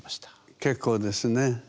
結構ですね。